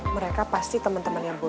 mereka pasti temen temennya boy